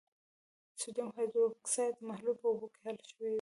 د سوډیم هایدروکسایډ محلول په اوبو کې حل شوی دی.